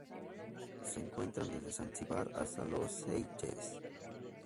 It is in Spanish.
Se encuentra desde Zanzíbar hasta las Seychelles.